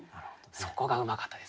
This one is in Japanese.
そこがうまかったですね。